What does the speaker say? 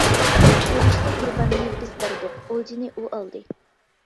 ئۇرۇشتا قۇرباننى بىز بەردۇق، ئولجىنى ئۇ ئالدى.